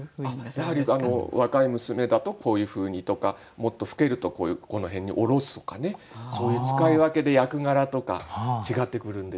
やはり若い娘だとこういうふうにとかもっと老けるとこの辺に下ろすとかねそういう使い分けで役柄とか違ってくるんです。